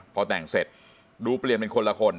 พอแต่งเสร็จดูเปลี่ยนเป็นคนละคน